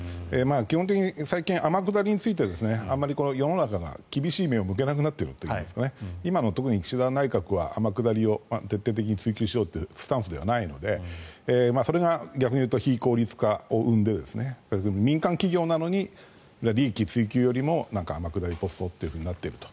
基本的に最近、天下りについてあまり世の中が厳しい目を向けなくなっているといいますか今の、特に岸田内閣は天下りを徹底的に追及しようというスタンスではないのでそれが逆に言うと非効率化を生んで民間企業なのに利益追求よりも天下りポストとなっていると。